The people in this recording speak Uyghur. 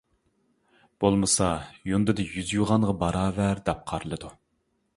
بولمىسا، يۇندىدا يۈز يۇغانغا باراۋەر دەپ قارىلىدۇ.